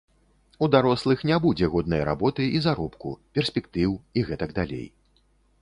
У дарослых не будзе годнай работы і заробку, перспектыў і гэтак далей.